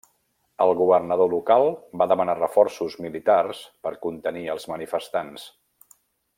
El governador local va demanar reforços militars per contenir els manifestants.